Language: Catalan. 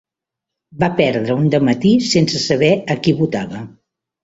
Va perdre un dematí sense saber a qui votava